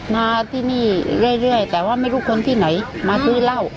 มาที่นี่เรื่อยแต่ว่าไม่รู้คนที่ไหนมาซื้อเหล้า